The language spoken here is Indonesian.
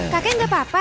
kakek tidak apa apa